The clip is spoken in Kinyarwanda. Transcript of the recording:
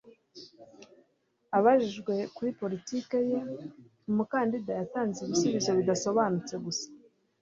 abajijwe kuri politiki ye, umukandida yatanze ibisubizo bidasobanutse gusa